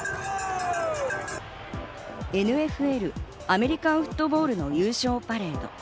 ＮＦＬアメリカンフットボールの優勝パレード。